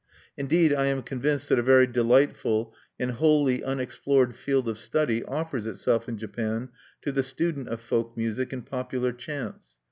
Indeed, I am convinced that a very delightful and wholly unexplored field of study offers itself in Japan to the student of folk music and popular chants.